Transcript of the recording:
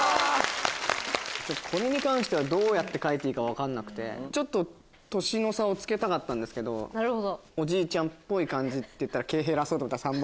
これに関してはどうやって描いていいか分かんなくてちょっと年の差をつけたかったんですけどおじいちゃんっぽい感じって。